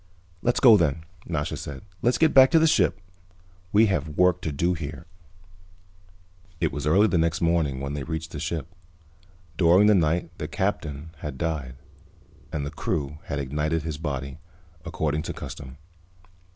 "Let's go, then," Nasha said. "Let's get back to the ship. We have work to do here." It was early the next morning when they reached the ship. During the night the Captain had died, and the crew had ignited his body, according to custom.